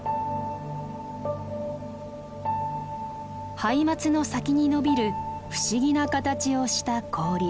ハイマツの先に伸びる不思議な形をした氷。